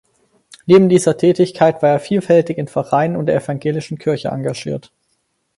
Neben dieser Tätigkeit war er vielfältig in Vereinen und der evangelischen Kirche engagiert.